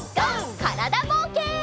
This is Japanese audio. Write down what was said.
からだぼうけん。